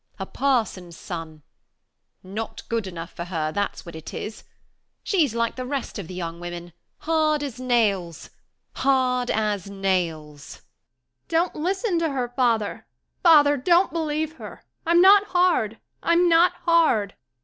A parson's son ! Not good enough for her, that's what it is. She's like the rest of the young women — hard as nails! Hard as nails! SYDNEY [Crying out.] Don't listen to her, father! Father, don't believe her ! I'm not hard. I'm not hard.